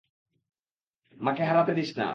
মাকে হারতে দিস না।